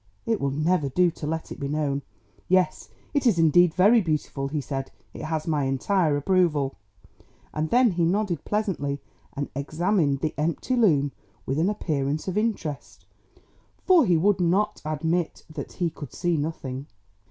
It will never do to let it be known! Yes, it is indeed very beautiful," he said. "It has my entire approval." And then he nodded pleasantly, and examined the empty loom with an appearance of interest, for he would not admit that he could see nothing.